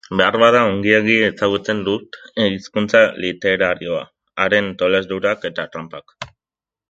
Beharbada ongiegi ezagutzen dut hizkuntza literarioa, haren tolesdurak eta tranpak.